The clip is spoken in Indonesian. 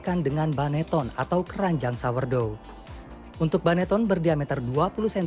karena dia mau tidur dulu semalaman